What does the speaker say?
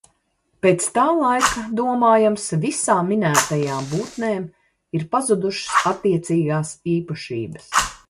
Pēc tā laika, domājams, visām minētajām būtnēm ir pazudušas attiecīgās īpašības.